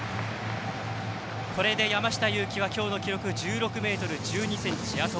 これで山下は今日の記録、１６ｍ１２ｃｍ。